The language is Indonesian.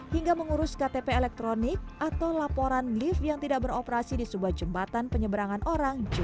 hingga mengurus ktp elektronik atau laporan lift yang tidak beroperasi di sebuah jembatan penyeberangan orang jawa